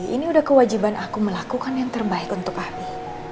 ini udah kewajiban aku melakukan yang terbaik untuk kami